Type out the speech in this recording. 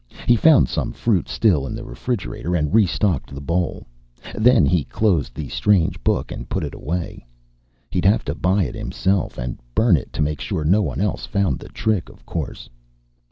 He found some fruit still in the refrigerator and restocked the bowl. Then he closed the strange book and put it away. He'd have to buy it himself, and burn it to make sure no one else found the trick, of course.